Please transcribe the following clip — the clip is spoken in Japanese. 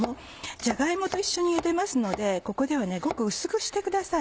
じゃが芋と一緒にゆでますのでここではごく薄くしてください。